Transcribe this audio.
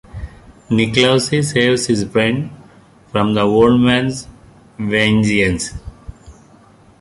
Nicklausse saves his friend from the old man's vengeance.